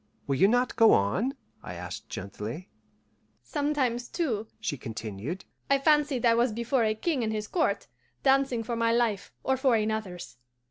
"Will you not go on?" I asked gently. "Sometimes, too," she continued, "I fancied I was before a king and his court, dancing for my life or for another's.